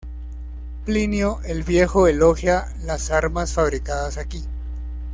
Plinio el Viejo elogia las armas fabricadas aquí.